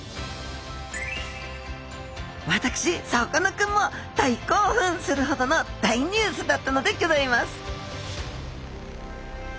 私さかなクンも大興奮するほどの大ニュースだったのでギョざいます！